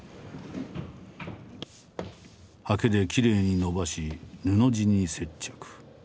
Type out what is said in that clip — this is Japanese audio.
はけできれいに伸ばし布地に接着。